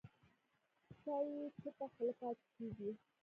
ستایي یې چوپه خوله پاتې کېږي